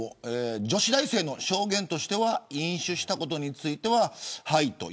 女子大生の証言としては飲酒したことについてははい、と。